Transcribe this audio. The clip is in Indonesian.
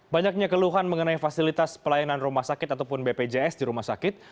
banyaknya keluhan mengenai fasilitas pelayanan rumah sakit ataupun bpjs di rumah sakit